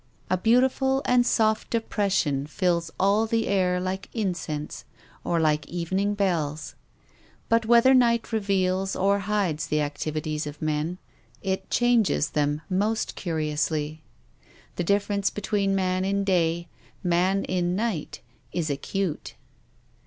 A beautiful and soft depression fills all the air like incense or like evening bells. But whether night reveals or hides the activities of men it changes 3 4 TONGUES OF CONSCIENCE. 4 them most curiously. The difference between man in day, man in night, is acute.